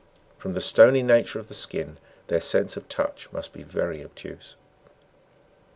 From the stony nature of the skin, their sense of touch must be very obtuse. 6.